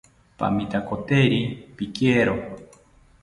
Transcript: Pamitakoteri pikero